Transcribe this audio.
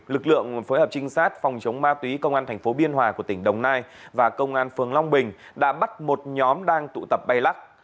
lực lượng phối hợp trinh sát phòng chống ma túy công an thành phố biên hòa của tỉnh đồng nai và công an phường long bình đã bắt một nhóm đang tụ tập bay lắc